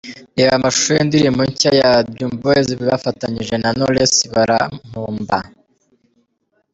Reba amashusho y’indirimbo nshya ya Dream Boys bafatanyije na Knowless " Baramponda".